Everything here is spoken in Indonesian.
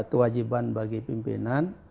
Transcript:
kewajiban bagi pimpinan